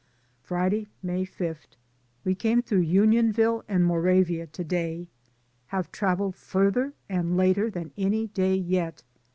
Friday, May 5. We came through Unionville and Moravia to day. Have traveled farther and later than any day yet.